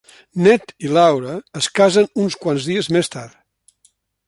Ned i Laura es casen uns quants dies més tard.